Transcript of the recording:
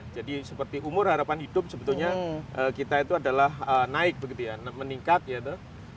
jadi seperti umur harapan hidup sebetulnya kita itu adalah naik begitu ya meningkat ya itu